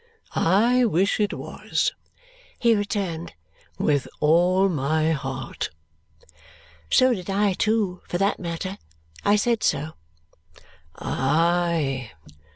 "I wish it was," he returned, "with all my heart." So did I too, for that matter. I said so. "Aye!